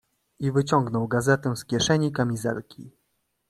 "I wyciągnął gazetę z kieszeni kamizelki."